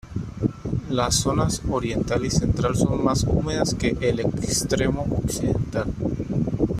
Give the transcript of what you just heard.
Las zonas oriental y central son más húmedas que el extremo occidental.